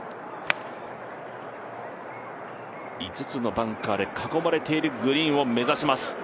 ５つのバンカーで囲まれているグリーンを目指します。